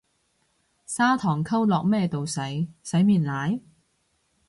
砂糖溝落咩度洗，洗面奶？